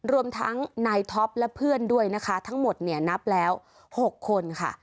รวมทั้งนายท็อปและเพื่อนด้วยนะคะทั้งหมดเนี่ยนับแล้ว๖คนค่ะ